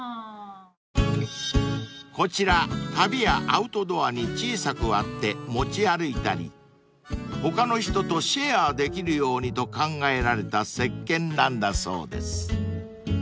［こちら旅やアウトドアに小さく割って持ち歩いたり他の人とシェアできるようにと考えられたせっけんなんだそうです］